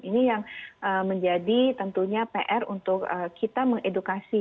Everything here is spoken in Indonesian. ini yang menjadi tentunya pr untuk kita mengedukasi